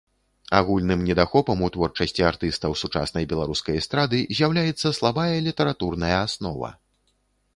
Агульным недахопам у творчасці артыстаў сучаснай беларускай эстрады з'яўляецца слабая літаратурная аснова.